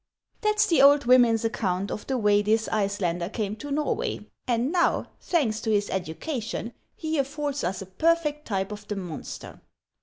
That's the old women's account of the way this Icelander came to Norway, and now, thanks to his education, he affords us a perfect type of the monster.